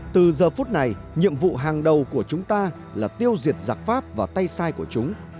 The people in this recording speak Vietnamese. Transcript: từ giờ phút này nhiệm vụ hàng đầu của chúng ta là tiêu diệt giặc pháp và tay sai của chúng